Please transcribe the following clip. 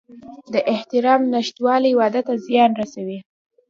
د احترام نشتوالی واده ته تاوان رسوي.